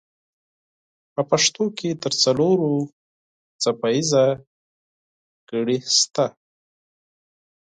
په پښتو کې تر څلور څپه ایزه ګړې شته.